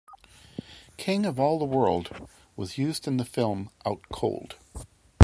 "King of All the World" was used in the film "Out Cold".